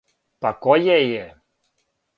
Па које је?